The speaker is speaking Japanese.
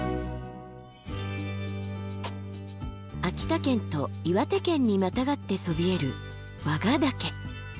秋田県と岩手県にまたがってそびえる和賀岳。